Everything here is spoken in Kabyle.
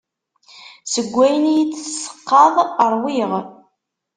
Seg wayen i yi-d teseqqaḍ ṛwiɣ.